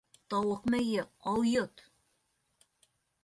Тауыҡ мейе, алйот!